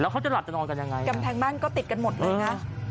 แล้วเขาจะหลับจะนอนกันยังไงแก่นี้ก็ติดกันหมดเลยฮะ